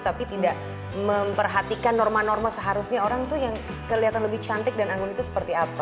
tapi tidak memperhatikan norma norma seharusnya orang tuh yang kelihatan lebih cantik dan anggun itu seperti apa